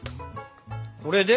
これで？